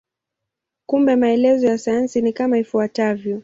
Kumbe maelezo ya sayansi ni kama ifuatavyo.